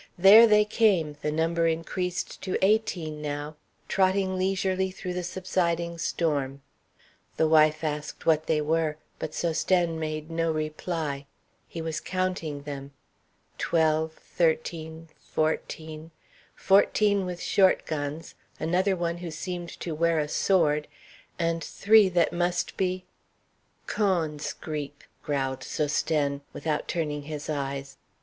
There they came, the number increased to eighteen now, trotting leisurely through the subsiding storm. The wife asked what they were, but Sosthène made no reply; he was counting them: twelve, thirteen, fourteen fourteen with short guns, another one who seemed to wear a sword, and three, that must be "Cawnscreep," growled Sosthène, without turning his eyes.